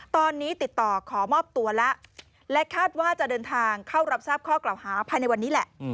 ตอนนี้ติดต่อขอมอบตัวแล้วและคาดว่าจะเดินทางเข้ารับทราบข้อกล่าวหาภายในวันนี้แหละ